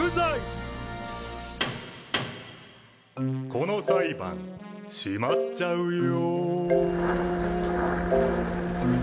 この裁判しまっちゃうよ。